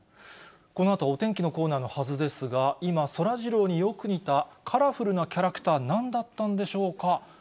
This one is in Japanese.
このあとはお天気のコーナーのはずですが、今、そらジローによく似たカラフルなキャラクター、なんだったんでしょうか。